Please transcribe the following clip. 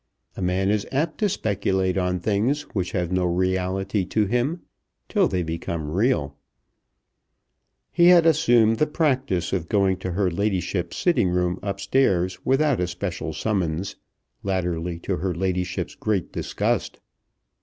A man is apt to speculate on things which have no reality to him, till they become real. He had assumed the practice of going to her ladyship's sitting room up stairs without a special summons, latterly to her ladyship's great disgust.